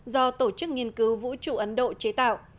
do tổ chức nghiên cứu vũ trụ ấn độ chế tạo